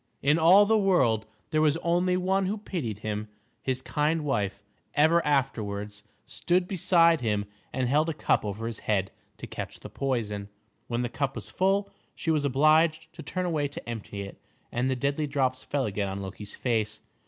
In all the world there was only one who pitied him. His kind wife ever afterwards stood beside him and held a cup over his head to catch the poison. When the cup was full, she was obliged to turn away to empty it, and the deadly drops fell again on Loki's face.